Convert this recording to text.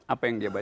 apa yang dia baca